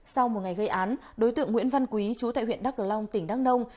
sau một ngày gây án đối tượng nguyễn văn quý chú tại huyện đắk cờ long tỉnh đắk nông